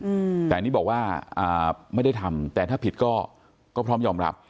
อืมแต่อันนี้บอกว่าอ่าไม่ได้ทำแต่ถ้าผิดก็ก็พร้อมยอมรับ